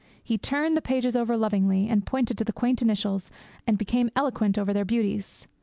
He turned the pages over lovingly, and pointed to the quaint initials, and became eloquent over their beauties.